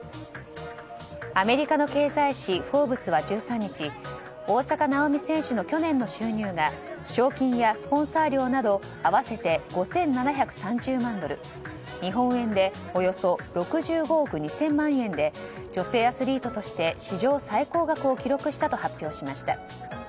アメリカの経済誌「フォーブス」は１３日、大坂なおみ選手の去年の収入が賞金やスポンサー料など合わせて５７３０万ドル日本円でおよそ６５億２０００万円で女性アスリートとして史上最高額を記録したと発表しました。